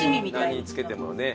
何につけてもね。